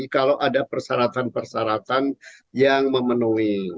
kalau ada persyaratan persyaratan yang memenuhi